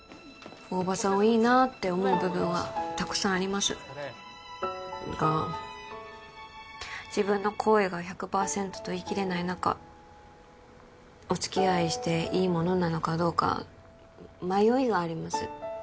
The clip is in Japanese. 大庭さんをいいなって思う部分はたくさんありますが自分の好意が１００パーセントと言い切れない中おつきあいしていいものなのかどうか迷いがあります